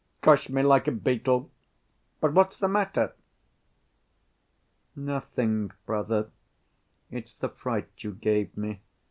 Crush me like a beetle. But what's the matter?" "Nothing, brother—it's the fright you gave me.